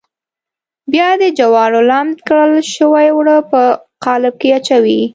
بیا د جوارو لمد کړل شوي اوړه په قالب کې اچوي.